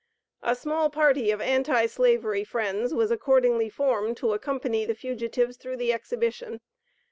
A small party of anti slavery friends was accordingly formed to accompany the fugitives through the Exhibition.